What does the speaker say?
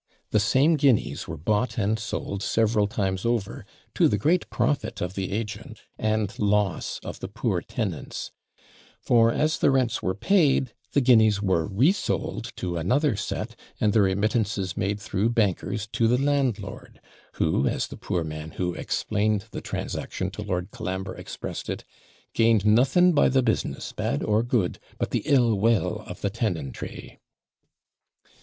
The same guineas were bought and sold several times over, to the great profit of the agent and loss of the poor tenants; for, as the rents were paid, the guineas were resold to another set, and the remittances made through bankers to the landlord; who, as the poor man who explained the transaction to Lord Colambre expressed it, 'gained nothing by the business, bad or good, but the ill will of the tenantry.'